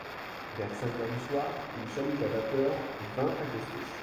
Vers cinq heures du soir, une chaloupe à vapeur vint accoster.